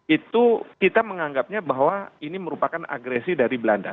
itu kita menganggapnya bahwa ini merupakan agresi dari belanda